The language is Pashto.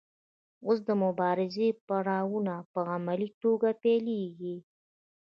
اوس د مبارزې پړاوونه په عملي توګه پیلیږي.